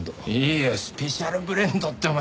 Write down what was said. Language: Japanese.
いやスペシャルブレンドってお前。